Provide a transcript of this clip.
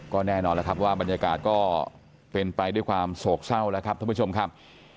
ก็แน่นอนแล้วครับว่าบรรยากาศก็เป็นไปด้วยความโศกเศร้าแล้วครับท่านผู้ชมครับ